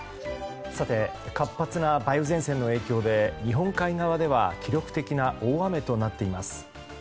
活発な梅雨前線の影響で日本海側では記録的な大雨となっています。